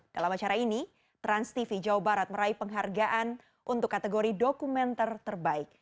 dalam acara ini transtv jawa barat meraih penghargaan untuk kategori dokumenter terbaik